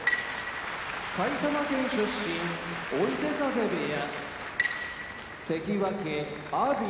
埼玉県出身追手風部屋関脇・阿炎